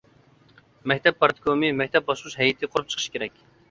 مەكتەپ پارتكومى «مەكتەپ باشقۇرۇش ھەيئىتى» قۇرۇپ چىقىشى كېرەك.